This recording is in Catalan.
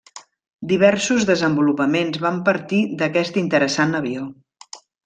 Diversos desenvolupaments van partir d'aquest interessant avió.